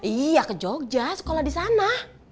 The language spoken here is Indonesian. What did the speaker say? iya ke jogja sekolah disana